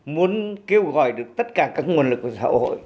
muốn kêu gọi được tất cả các nguồn lực của xã hội